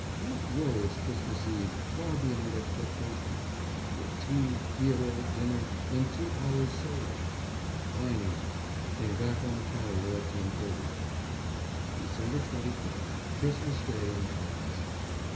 Had a glorious Christmas Eve, far beyond expectations. Good tea, theatre, dinner, and two hours' solo. Fine evening. Came back on the carrier at 10.30. Dec. 25th. Christmas Day in France.